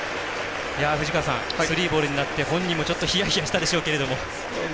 藤川さん、スリーボールになって本人もひやひやしたでしょうけど。